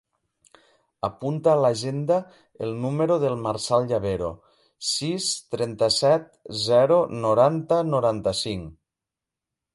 Apunta a l'agenda el número del Marçal Llavero: sis, trenta-set, zero, noranta, noranta-cinc.